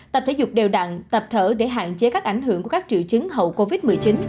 tập thể dục đều đặn tập thở để hạn chế các ảnh hưởng của các triệu chứng hậu covid một mươi chín